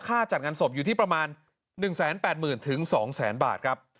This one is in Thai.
จัดงานศพอยู่ที่ประมาณ๑๘๐๐๐๒๐๐๐บาทครับ